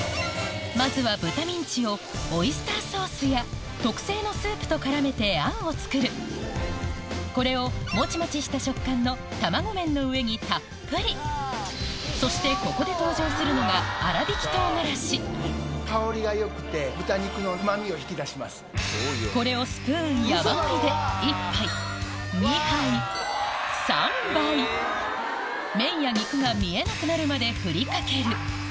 まずは豚ミンチをオイスターソースや特製のスープと絡めてあんを作るこれをもちもちした食感のたまご麺の上にたっぷりそしてここで登場するのがこれをスプーン山盛りで麺や肉が見えなくなるまでふりかける